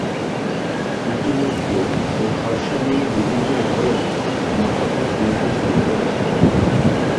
ইতিমধ্যে এ খসড়া নিয়ে বিভিন্ন মহলের মতামত নিতে শুরু করেছে।